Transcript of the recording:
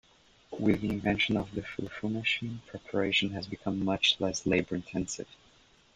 With the invention of the Fufu Machine preparation has become much less labour-intensive.